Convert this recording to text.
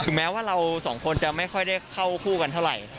แม้ว่าเราสองคนจะไม่ค่อยได้เข้าคู่กันเท่าไหร่